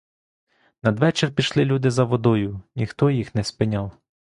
Надвечір пішли люди за водою, ніхто їх не спиняв.